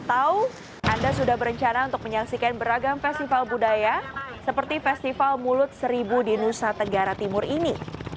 atau anda sudah berencana untuk menyaksikan beragam festival budaya seperti festival mulut seribu di nusa tenggara timur ini